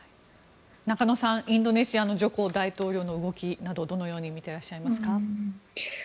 中野さん、インドネシアのジョコ大統領の動きなどどのように見てらっしゃいますか。